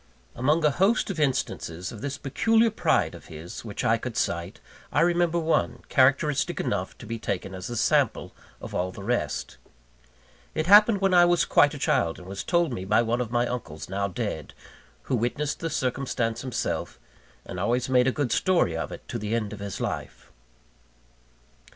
Among a host of instances of this peculiar pride of his which I could cite, I remember one, characteristic enough to be taken as a sample of all the rest. It happened when I was quite a child, and was told me by one of my uncles now dead who witnessed the circumstance himself, and always made a good story of it to the end of his life.